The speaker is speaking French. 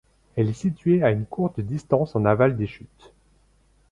Elle est située à une courte distance en aval des chutes.